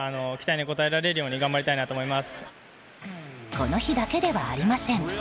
この日だけではありません。